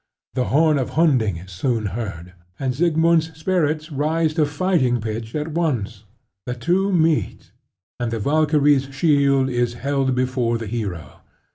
The horn of Hunding is soon heard; and Siegmund's spirits rise to fighting pitch at once. The two meet; and the Valkyrie's shield is held before the hero.